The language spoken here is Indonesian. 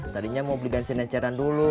tadinya mau beli bensin yang ceran dulu